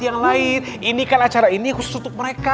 yang lain ini kan acara ini khusus untuk mereka